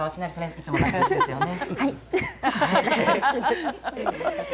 いつも仲よしですよね。